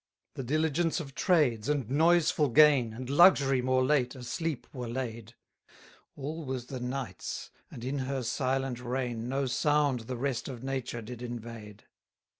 216 The diligence of trades and noiseful gain, And luxury more late, asleep were laid: All was the night's; and in her silent reign No sound the rest of nature did invade.